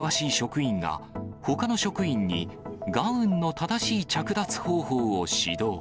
感染対策に詳しい職員が、ほかの職員にガウンの正しい着脱方法を指導。